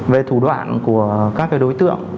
về thủ đoạn của các đối tượng